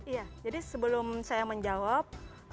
iya jadi sebelum saya menjawab